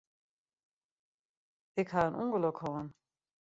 Ik ha in ûngelok hân.